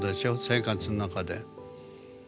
生活の中で。